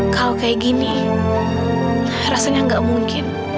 kalau kayak gini rasanya nggak mungkin